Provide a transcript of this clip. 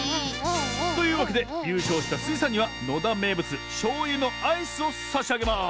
というわけでゆうしょうしたスイさんにはのだめいぶつしょうゆのアイスをさしあげます。